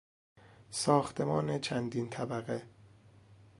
ساختمان چندین طبقه